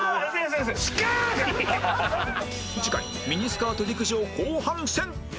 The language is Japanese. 次回ミニスカート陸上後半戦